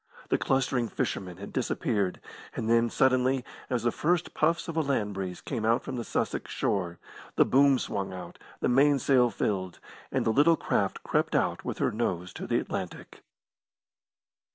The clustering fishermen had disappeared. And then, suddenly, as the first puffs of a land breeze came out from the Sussex shore, the boom swung out, the mainsail filled, and the little craft crept out with her nose to the Atlantic.